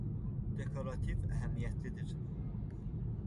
Dekorativ əhəmiyyətlidir.